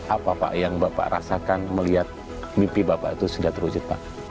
apa pak yang bapak rasakan melihat mimpi bapak itu sudah terwujud pak